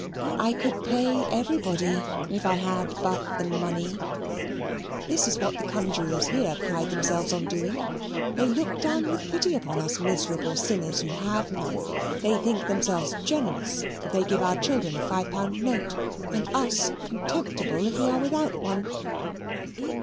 I could pay everybody, if I had but the money. This is what the conjurors here pride themselves upon doing. They look down with pity upon us miserable sinners who have none. They think themselves generous if they give our children a five pound note, and us contemptible if we are without one."